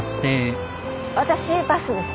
私バスです。